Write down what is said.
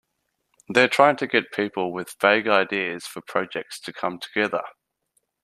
They're trying to get people with vague ideas for projects to come together.